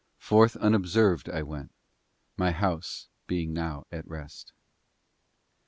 Forth unobserved I went, My house being now at rest.